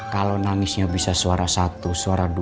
kalo nangisnya bisa suara satu suara dua suara tiga gitu